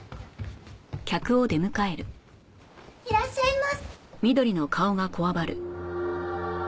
いらっしゃいま。